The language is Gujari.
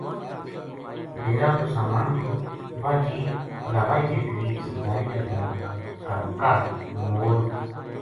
ڈیرا کو سامان تھو واہ جیپ پھلاوئی کے قریب سرداری کا گراں کا کاہڈ موڑ